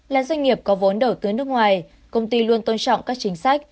là doanh nghiệp có vốn đầu tư nước ngoài công ty luôn tôn trọng các chính sách